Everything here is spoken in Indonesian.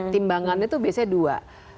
timbangannya itu biasanya dua